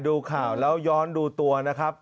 ดูข่าวแล้วย้อนดูตัวนะครับ